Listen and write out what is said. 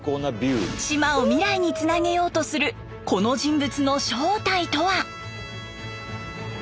島を未来につなげようとするこの人物の正体とは？